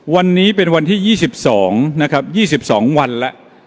วันนี้เป็นวันที่ยี่สิบสองนะครับยี่สิบสองวันละ